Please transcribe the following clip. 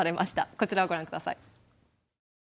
こちらをご覧ください。